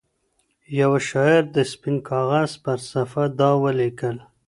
يوه شاعر د سپين كاغذ پر صفحه دا وليـكل